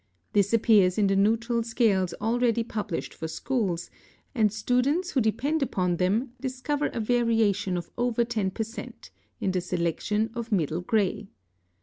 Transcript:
This appears in the neutral scales already published for schools, and students who depend upon them, discover a variation of over 10 per cent. in the selection of middle gray.